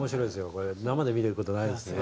これ生で見れる事ないですね